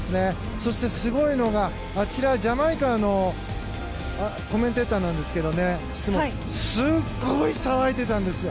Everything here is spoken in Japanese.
そして、すごいのがあちらジャマイカのコメンテーターなんですけどすごい騒いでたんですよ。